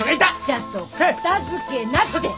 ちゃんと片づけなって！